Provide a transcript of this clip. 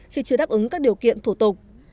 khi chưa đáp ứng các điều kiện thủ tục